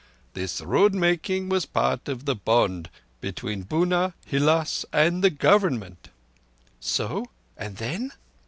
This road making was part of the bond between Bunár, Hilás, and the Government." "So? And then?"